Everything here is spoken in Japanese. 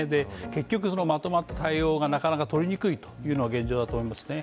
結局まとまった対応がなかなかとりにくいというのが現状だと思いますね。